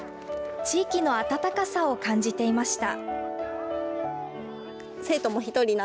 地域の温かさを感じていました。